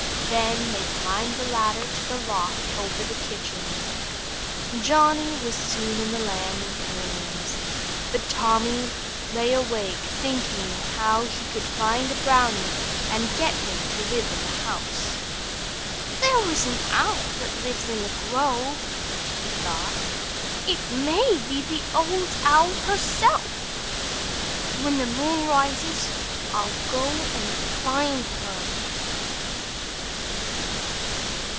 Then they climbed the ladder to the loft over the kitchen. Johnny was soon in the land of dreams, but Tommy lay awake thinking how he could find a brownie and get him to live in the house. "There is an owl that lives in the grove," he thought. "It may be the Old Owl herself. When the moon rises, I'll go and find her."